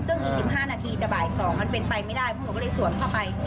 ซึ่งอีกสิบห้านาทีจะบ่ายสองมันเป็นไปไม่ได้เพราะหนูก็เลยสวนเข้าไป